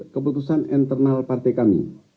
keputusan internal partai kami